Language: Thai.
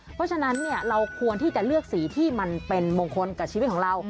เพราะฉะนั้นเราควรที่จะเลือกสีที่มันเป็นมงคลกับชีวิตของเรา